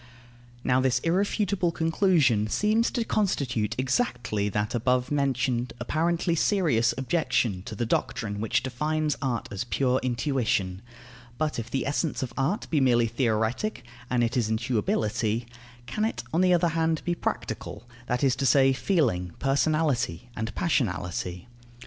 Now this irrefutable conclusion seems to constitute exactly that above mentioned apparently serious objection to the doctrine which defines art as pure intuition. But if the essence of art be merely theoretic and it is intuibility can it, on the other hand, be practical, that is to say, feeling, personality, and passionality?